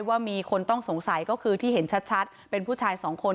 ว่ามีคนต้องสงสัยก็คือที่เห็นชัดเป็นผู้ชายสองคน